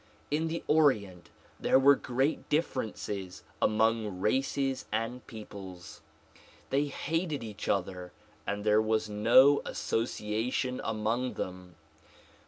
In the Orient there were great differences among races and l^eoples. They hated each other and there was no association among them.